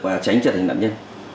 và tránh trở thành nạn nhân